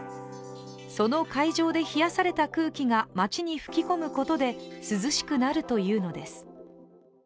その海上で冷やされた空気が街に吹き込むことで、涼しくなるというのです。